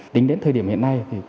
tính đến thời điểm hiện nay